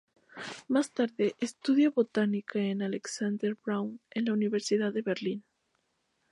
Más tarde estudia botánica con Alexander Braun en la Universidad de Berlín.